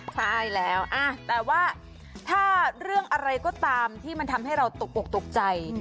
ใช่แล้วแต่ว่าถ้าเรื่องอะไรก็ตามที่มันทำให้เราตกอกตกใจ